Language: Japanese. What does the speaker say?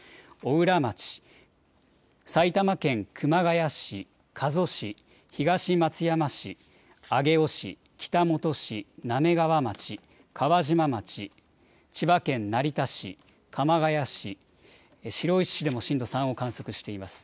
邑楽町、埼玉県熊谷市、加須市、東松山市、上尾市、北本市、滑川町、川島町、千葉県成田市、鎌ケ谷市、白井市でも震度３を観測しています。